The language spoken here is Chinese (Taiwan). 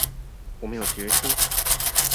我們有決心